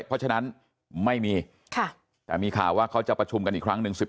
เพราะฉะนั้นไม่มีแต่มีข่าวว่าเขาจะประชุมกันอีกครั้งหนึ่ง